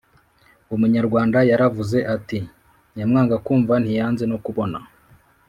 Umunyarwanda yaravuze ati: “Nyamwanga kumva ntiyanze no kubona.”